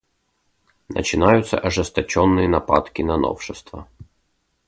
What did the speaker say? Начинаются ожесточенные нападки на новшества.